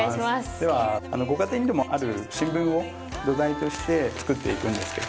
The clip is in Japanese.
ではご家庭にでもある新聞を土台として作っていくんですけど。